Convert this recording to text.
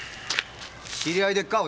知り合いでっか？